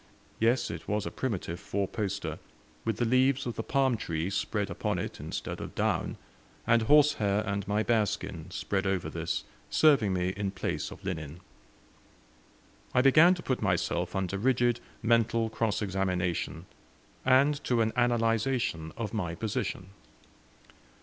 Yes, it was a primitive four poster, with the leaves of the palm tree spread upon it instead of down, and horsehair and my bearskin spread over this serving me in place of linen. I began to put myself under rigid mental cross examination, and to an analyzation of my position.